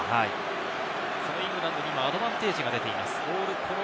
そのイングランドにアドバンテージが出ています。